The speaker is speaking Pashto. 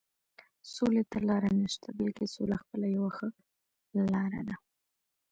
سولې ته لاره نشته، بلکې سوله خپله یوه ښه لاره ده.